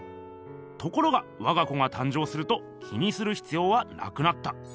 ところがわが子が誕生すると気にするひつようはなくなった。